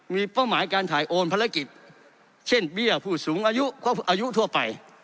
มีเป้าหมายการถ่ายโอนภารกิจเช่นเบี้ยผู้สูงอายุก็อายุทั่วไป